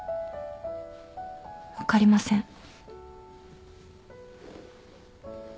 分かりません。